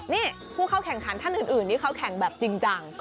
นี่ผู้เข้าแข่งขันท่านอื่นที่เขาแข่งแบบจริงจัง